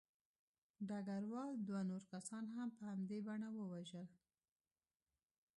ډګروال دوه نور کسان هم په همدې بڼه ووژل